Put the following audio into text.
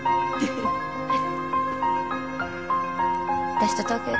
私と東京行